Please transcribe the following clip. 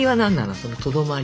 そのとどまり。